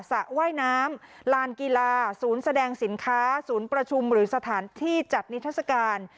สระว่ายน้ำลานกีฬาศูนย์แสดงสินค้าศูนย์ประชุมหรือสถานที่จัดนิทัศกาล